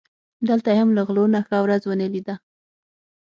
دلته یې هم له غلو نه ښه ورځ و نه لیده.